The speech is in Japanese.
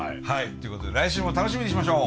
ということで来週も楽しみにしましょう！